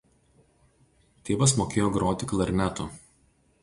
Tėvas mokėjo groti klarnetu.